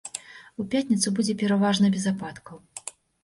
У пятніцу будзе пераважна без ападкаў.